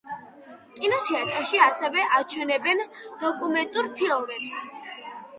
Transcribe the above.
კინოთეატრში ასევე აჩვენებენ დოკუმენტურ ფილმებს.